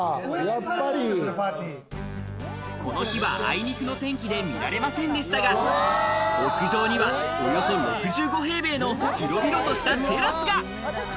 この日はあいにくの天気で見られませんでしたが、屋上にはおよそ６５平米の広々としたテラスが！